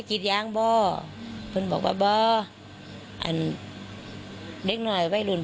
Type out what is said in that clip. ที่นั่นโด้บันผู้ช